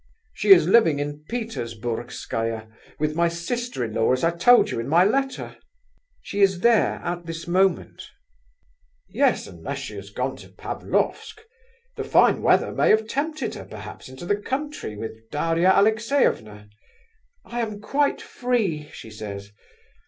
She is living in Petersburgskaia, with my sister in law, as I told you in my letter." "She is there at this moment?" "Yes, unless she has gone to Pavlofsk: the fine weather may have tempted her, perhaps, into the country, with Daria Alexeyevna. 'I am quite free,' she says.